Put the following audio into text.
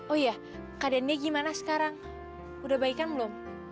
oh iya keadaannya gimana sekarang udah baik kan belum